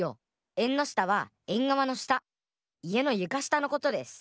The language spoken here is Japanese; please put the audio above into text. えんのしたはえんがわのしたいえのゆかしたのことです！